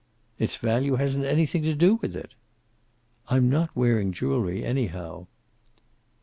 "It's value hasn't anything to do with it." "I'm not wearing jewelry, anyhow."